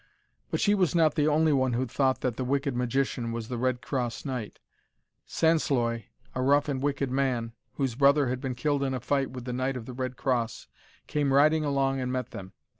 But she was not the only one who thought that the wicked magician was the Red Cross Knight. Sansloy, a rough and wicked man, whose brother had been killed in a fight with the Knight of the Red Cross, came riding along and met them.